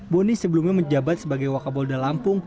boni sebelumnya menjabat sebagai wakapolda lampung